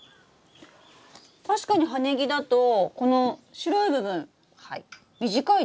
確かに葉ネギだとこの白い部分短いですね。